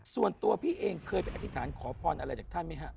ส่วนตัวพี่เองเคยไปอธิษฐานขอพรอะไรจากท่านไหมฮะ